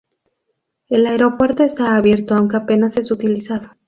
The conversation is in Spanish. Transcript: El aeropuerto está abierto aunque apenas es utilizado.